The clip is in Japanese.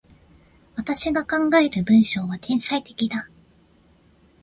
私が考える文章は、天才的だ。